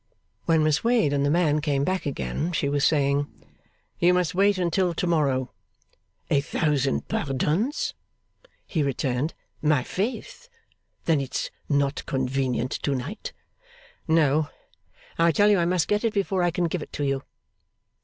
When Miss Wade and the man came back again, she was saying, 'You must wait until to morrow.' 'A thousand pardons?' he returned. 'My faith! Then it's not convenient to night?' 'No. I tell you I must get it before I can give it to you.